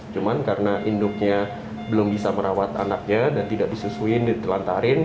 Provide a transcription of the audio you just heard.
cuma karena induknya belum bisa merawat anaknya dan tidak disusuin ditelantarin